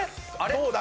どうだ？